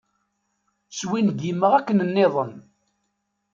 Swingimeɣ akken-nniḍen.